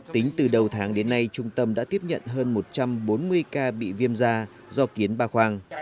tính từ đầu tháng đến nay trung tâm đã tiếp nhận hơn một trăm bốn mươi ca bị viêm da do kiến ba khoang